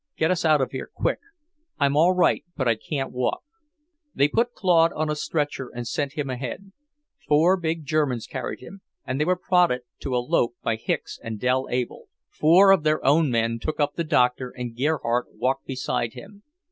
Get us out of here quick. I'm all right, but I can't walk." They put Claude on a stretcher and sent him ahead. Four big Germans carried him, and they were prodded to a lope by Hicks and Dell Able. Four of their own men took up the doctor, and Gerhardt walked beside him.